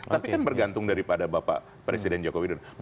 tapi kan bergantung daripada bapak presiden jokowi dodo